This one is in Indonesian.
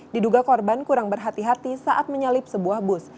diduga korban kurang berhati hati saat menyalip sebuah bus